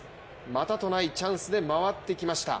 またとないチャンスで回ってきました。